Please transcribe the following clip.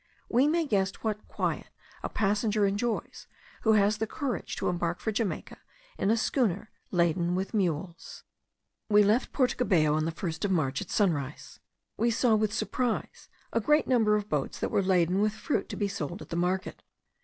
We may guess what quiet a passenger enjoys, who has the courage to embark for Jamaica in a schooner laden with mules. We left Porto Cabello on the first of March, at sunrise. We saw with surprise the great number of boats that were laden with fruit to be sold at the market.